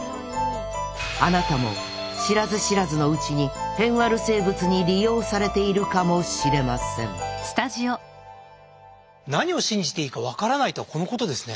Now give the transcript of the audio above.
あなたも知らず知らずのうちにへんワル生物に利用されているかもしれません何を信じていいか分からないとはこのことですね。